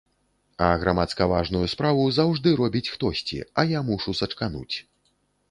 А грамадска-важную справу заўжды робіць хтосьці, а я мушу сачкануць.